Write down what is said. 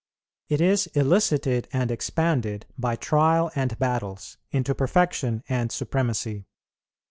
It is elicited and expanded by trial, and battles into perfection and supremacy.